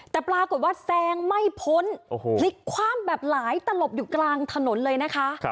แต่ปรากฏว่าแซงไม่พ้นพลิกคว่ำแบบหลายตลบอยู่กลางถนนเลยนะคะ